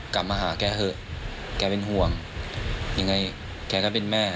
กลับมาหาแกเถอะแกเป็นห่วงยังไงแกก็เป็นแม่